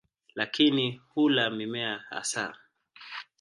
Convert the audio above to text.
Lakini hula mimea hasa.